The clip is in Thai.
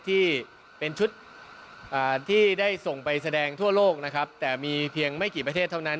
ที่เป็นชุดที่ได้ส่งไปแสดงทั่วโลกนะครับแต่มีเพียงไม่กี่ประเทศเท่านั้น